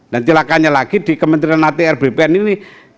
dan celakanya lagi di kementerian hati rbpn ini